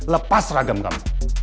ya udah deh pak